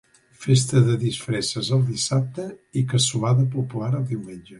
Festa de disfresses el dissabte i cassolada popular el diumenge.